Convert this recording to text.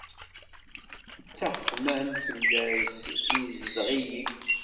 Ttaxmam fell-as izdeɣ-iyi.